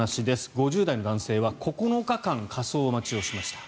５０代の男性は９日間、火葬待ちをしました。